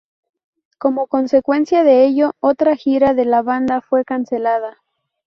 Como consecuencia de ello, otra gira de la banda fue cancelada.